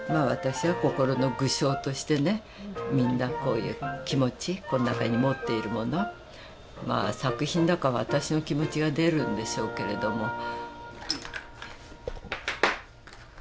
私は心の具象としてねみんなこういう気持ちこの中に持っているものまあ作品だから私の気持ちが出るんでしょうけれども。